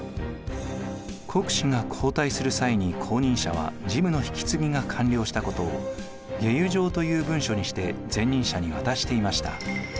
国司が交代する際に後任者は事務の引き継ぎが完了したことを解由状という文書にして前任者に渡していました。